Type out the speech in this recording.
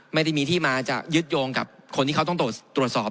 ไม่ได้มีที่มาจะยึดโยงกับคนที่เขาต้องตรวจสอบ